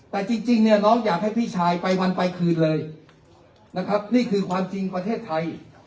แต่จริงเนี่ยน้องอยากให้พี่ชายไปวันไปคืนเลยนะครับนี่คือความจริงประเทศไทย